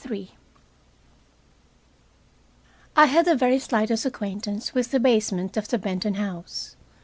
III I had the very slightest acquaintance with the basement of the Benton house.